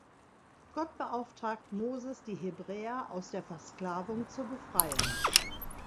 Gott beauftragt Moses, die Hebräer aus der Versklavung zu befreien.